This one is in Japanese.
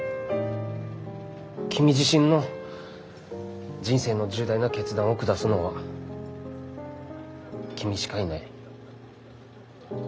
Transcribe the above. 君自身の人生の重大な決断を下すのは君しかいない。